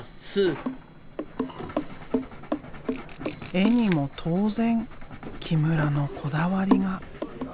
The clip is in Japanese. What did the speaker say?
絵にも当然木村のこだわりが。